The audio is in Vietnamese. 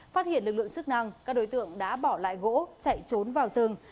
phát hiện lực lượng chức năng các đối tượng đã bỏ lại gỗ chạy trốn vào rừng